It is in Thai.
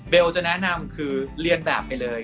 จะแนะนำคือเรียนแบบไปเลย